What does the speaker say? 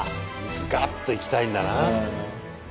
ガッといきたいんだな。